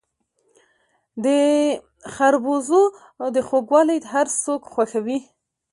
د خربوزو خوږوالی هر څوک خوښوي.